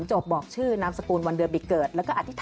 อย่างแรกเลยก็คือการทำบุญเกี่ยวกับเรื่องของพวกการเงินโชคลาภ